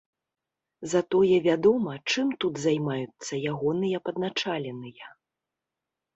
Затое вядома, чым тут займаюцца ягоныя падначаленыя.